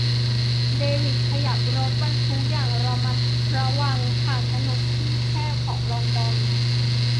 เดวิดขยับรถบรรทุกอย่างระมัดระวังผ่านถนนที่แคบของลอนดอน